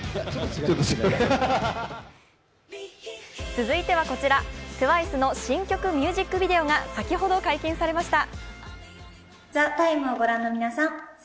続いてはこちら、ＴＷＩＣＥの新曲ミュージックビデオが先ほど解禁されました。